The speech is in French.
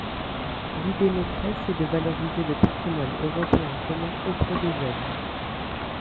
L’idée maîtresse est de valoriser le patrimoine européen commun auprès des jeunes.